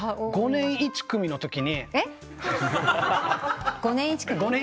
５年１組のとき。